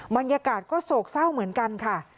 บรรยากาศก็โศกเศร้าเหมือนกันค่ะ